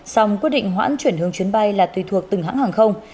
xong quyết định hoãn chuyển hướng chuyến bay là tùy thuộc từng hãng hàng không